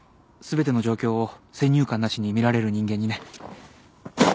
全ての状況を先入観なしに見られる人間にね。